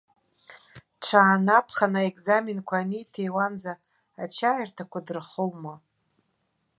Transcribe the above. Ҽааны аԥхын аекзаменқәа аниҭиуанӡа, ачаирҭақәа дырхума?